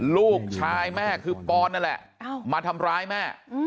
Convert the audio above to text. ลูกชายแม่คือปอนนั่นแหละมาทำร้ายแม่